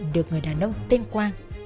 được người đàn ông tên quang